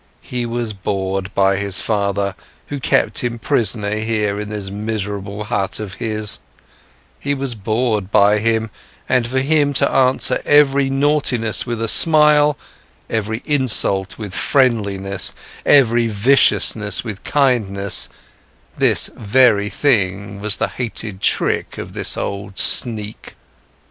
He was bored by this father, who kept him prisoner here in this miserable hut of his, he was bored by him, and for him to answer every naughtiness with a smile, every insult with friendliness, every viciousness with kindness, this very thing was the hated trick of this old sneak.